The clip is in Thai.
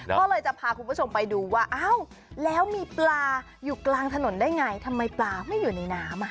ก็เลยจะพาคุณผู้ชมไปดูว่าอ้าวแล้วมีปลาอยู่กลางถนนได้ไงทำไมปลาไม่อยู่ในน้ำ